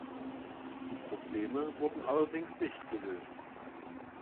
Die Probleme wurden allerdings nicht gelöst.